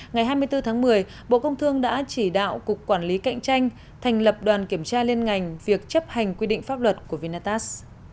ngày hai mươi bốn tháng một mươi bộ công thương đã chỉ đạo cục quản lý cạnh tranh thành lập đoàn kiểm tra liên ngành việc chấp hành quy định pháp luật của vinatax